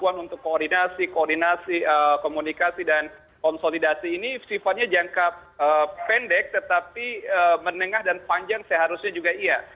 kalau urusan taktis ini kemampuan untuk koordinasi komunikasi dan konsolidasi ini sifatnya jangka pendek tetapi menengah dan panjang seharusnya juga iya